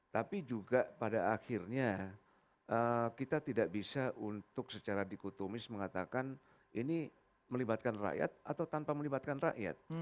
tapi juga pada akhirnya kita tidak bisa untuk secara dikotomis mengatakan ini melibatkan rakyat atau tanpa melibatkan rakyat